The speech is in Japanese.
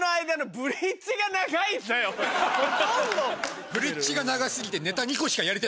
ブリッジが長過ぎて。